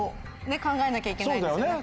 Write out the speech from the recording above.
考えなきゃいけないですよね。